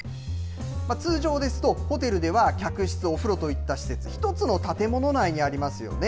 通常ですと、ホテルでは客室、お風呂といった施設、１つの建物内にありますよね。